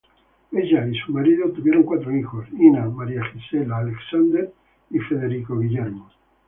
Ella y su marido tuvieron cuatro hijos: Ina, Maria-Gisela, Alexander y Friedrich-Wilhelm.